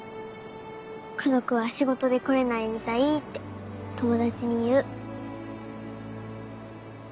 家族は仕事で来れないみたいって友達に言う。